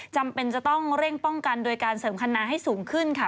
จำเป็นจะต้องเร่งป้องกันโดยการเสริมคณะให้สูงขึ้นค่ะ